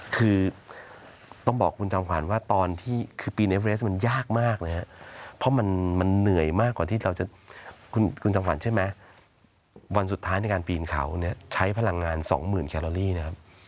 คือต้องบอกคุณจอมขวัญว่าตอนที่คือปีเนเรสมันยากมากเลยครับเพราะมันเหนื่อยมากกว่าที่เราจะคุณจำขวัญใช่ไหมวันสุดท้ายในการปีนเขาเนี่ยใช้พลังงานสองหมื่นแคลอรี่นะครับ